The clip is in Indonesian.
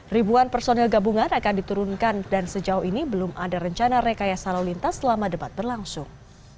ribuan personil gabungan akan diturunkan dan sejauh ini belum ada rencana rekayasa lalu lintas selama debat berlangsung